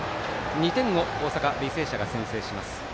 ２点を大阪、履正社が先制します。